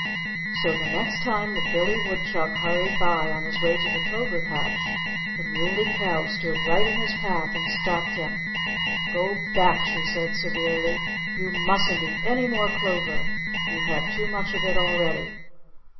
So the next time that Billy Woodchuck hurried by on his way to the clover patch, the Muley Cow stood right in his path and stopped him. "Go back!" she said severely. "You mustn't eat any more clover. You've had too much of it already."